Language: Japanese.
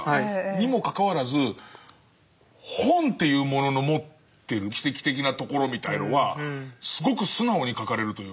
にもかかわらず本というものの持ってる奇跡的なところみたいのはすごく素直に書かれるというか。